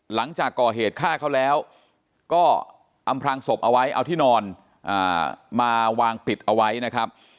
หลังจากก่อเหตุฆ่าเขาแล้วก็อำพลางศพเอาไว้เอาที่นอนมาวางปิดเอาไว้นะครับ